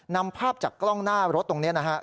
นำภาพจากกล้องหน้ารถตรงนี้นะครับ